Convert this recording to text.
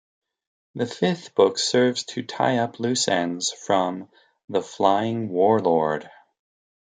The fifth book serves to tie up loose ends from "The Flying Warlord".